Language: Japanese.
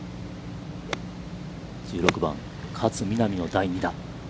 １６番、勝みなみの第２打。